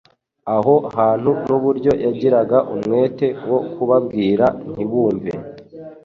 aho hantu n'uburyo yagiraga umwete wo kubabwira ntibumve,